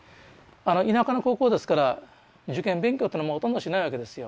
田舎の高校ですから受験勉強っていうのもうほとんどしないわけですよ。